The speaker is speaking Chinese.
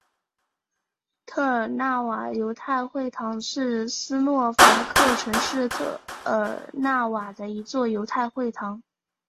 特尔纳瓦犹太会堂是斯洛伐克城市特尔纳瓦的一座犹太会堂。